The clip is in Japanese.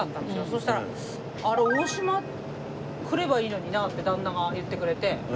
そしたら「大島来ればいいのにな」って旦那が言ってくれて。